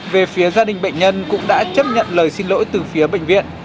về phía gia đình bệnh nhân cũng đã chấp nhận lời xin lỗi từ phía bệnh viện